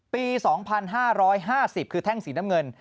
ปี๒๕๕๐คือแท่งสีน้ำเงิน